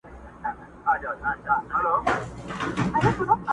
اوس معلومه سوه چي دا سړی پر حق دی.